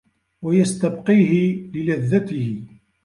وَيَسْتَبْقِيهِ لِلَذَّتِهِ